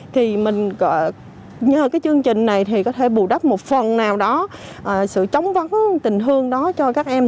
thì mình nhờ cái chương trình này thì có thể bù đắp một phần nào đó sự chống vấn tình hương đó cho các em